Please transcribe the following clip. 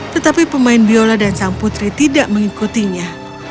tetapi pemain biola dan sang putri tidak mengikutinya